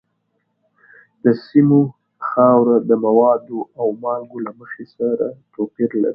د سیمو خاوره د موادو او مالګو له مخې سره توپیر لري.